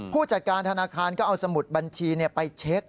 ผู้จัดการธนาคารก็เอาสมุดบัญชีไปเช็ค